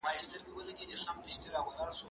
زه به اوږده موده ږغ اورېدلی وم!.